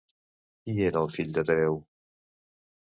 Qui era el fill de Tereu?